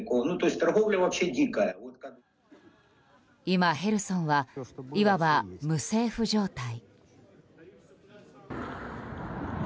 今、ヘルソンはいわば無政府状態。